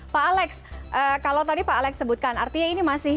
pak alex kalau tadi pak alex sebutkan artinya ini masih